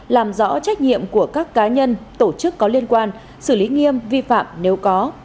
làm rõ trách nhiệm của các cá nhân tổ chức có liên quan xử lý nghiêm vi phạm nếu có